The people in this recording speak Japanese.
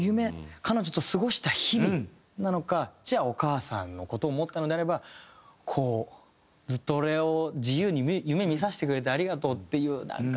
彼女と過ごした日々なのかじゃあお母さんの事を思ったのであればこうずっと俺を自由に夢見させてくれてありがとうっていうなんかね。